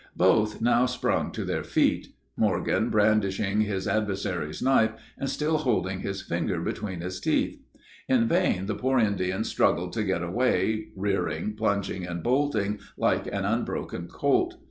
Both now sprung to their feet, Morgan brandishing his adversary's knife, and still holding his finger between his teeth. In vain the poor Indian struggled to get away, rearing, plunging, and bolting, like an unbroken colt.